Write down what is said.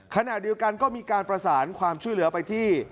ขณะเดียวกันก็มีการประสานความช่วยเหลือไปที่